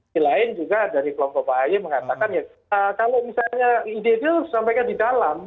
di lain juga dari kelompok pak haye mengatakan ya kalau misalnya ide idea harus disampaikan di dalam